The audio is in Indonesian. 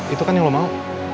itu kan yang lo mau